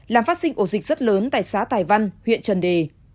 làm phát sinh ổ dịch rất lớn tại xã tài văn huyện trần đề